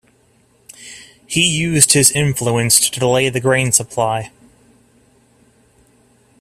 He used his influence to delay the grain supply.